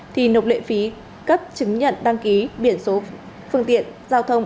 thì nộp lệ phí cấp chứng nhận đăng ký biển số phương tiện giao thông